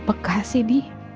peka sih d